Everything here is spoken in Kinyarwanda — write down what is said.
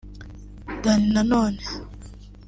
Dany Nanone